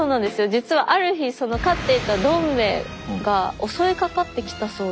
実はある日飼っていたどんべえが襲いかかってきたそうで。